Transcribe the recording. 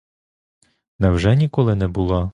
Невже ніколи не була?